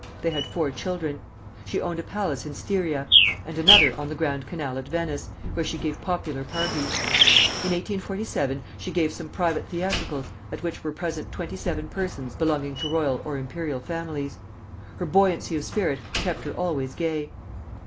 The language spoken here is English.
They had four children. She owned a palace in Styria, and another on the Grand Canal at Venice, where she gave popular parties. In 1847 she gave some private theatricals, at which were present twenty seven persons belonging to royal or imperial families. Her buoyancy of spirit kept her always gay.